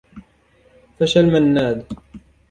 فشل منّاد.